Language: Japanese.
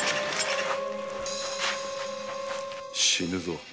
死ぬぞ。